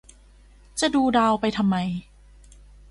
จะดูดาวไปทำไม